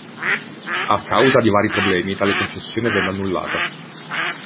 A causa di vari problemi tale concessione venne annullata.